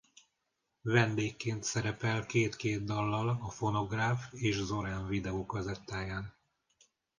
Vendégként szerepel két-két dallal a Fonográf és Zorán video-kazettáján.